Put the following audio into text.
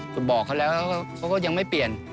คุณบอกเขาแล้วเขาก็ยังไม่เปลี่ยน